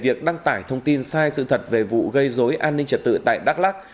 việc đăng tải thông tin sai sự thật về vụ gây dối an ninh trật tự tại đắk lắc